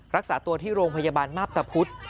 รักษาตัวที่โรงพยาบาลมาพตะพุธ